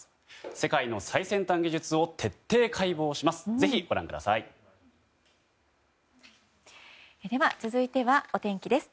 世界の最先端技術を徹底解剖します。